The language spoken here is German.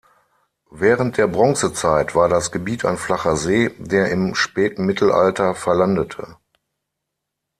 Während der Bronzezeit war das Gebiet ein flacher See, der im späten Mittelalter verlandete.